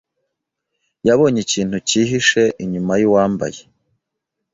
yabonye ikintu cyihishe inyuma yuwambaye.